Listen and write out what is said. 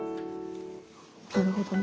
なるほどね。